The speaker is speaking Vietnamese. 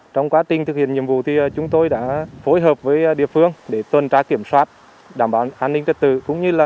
trong quá trình thực hiện nhiệm vụ chúng tôi đã phối hợp với địa phương để tuân trá kiểm soát đảm bảo an ninh trật tự